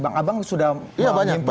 bang abang sudah mengimpul banyak suara